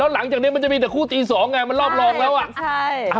แล้วหลังจากนี้มันจะมีแต่คู่ตี๒ไงมันรอบแล้วใช่